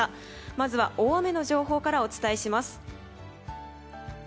まずは大雨の情報からお伝えします。